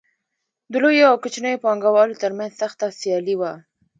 د لویو او کوچنیو پانګوالو ترمنځ سخته سیالي وه